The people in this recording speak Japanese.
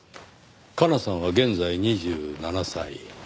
加奈さんは現在２７歳。